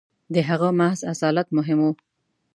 • د هغه محض اصالت مهم و.